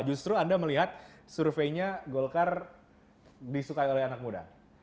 justru anda melihat surveinya golkar disukai oleh anak muda